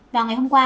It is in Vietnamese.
vào ngày hôm qua